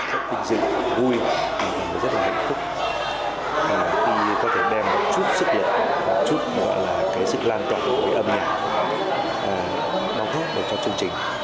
rất vinh dự vui và rất là hạnh phúc khi có thể đem một chút sức lượng một chút sự lan tỏa của âm nhạc đáng thích cho chương trình